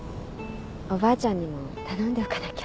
おばあちゃんにも頼んでおかなきゃ。